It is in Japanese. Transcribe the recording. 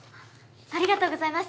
ありがとうございます！